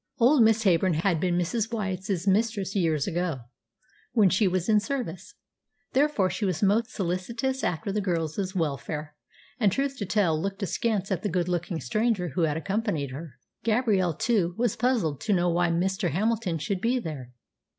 Old Miss Heyburn had been Mrs. Wyatt's mistress years ago, when she was in service, therefore she was most solicitous after the girl's welfare, and truth to tell looked askance at the good looking stranger who had accompanied her. Gabrielle, too, was puzzled to know why Mr. Hamilton should be there.